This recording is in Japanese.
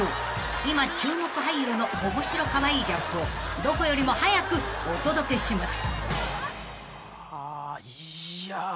［今注目俳優の面白カワイイギャップをどこよりも早くお届けします］